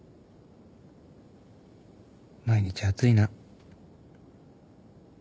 毎日暑いな。